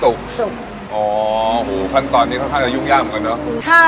ตอนนี้ค่อนข้างจะยุคย่าเหมือนกันเนอะ